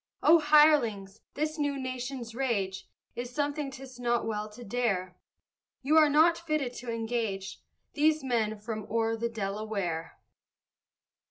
O hirelings, this new nation's rage Is something 'tis not well to dare; You are not fitted to engage These men from o'er the Delaware!